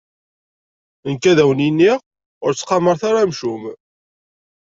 Nekk, ad wen-iniɣ: Ur ttqamaret ara amcum.